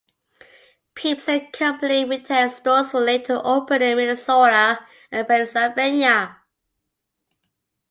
Peeps and Company retail stores were later opened in Minnesota, and Pennsylvania.